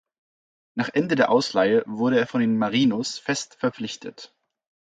Nach Ende der Ausleihe wurde er von den "Marinos" fest verpflichtet.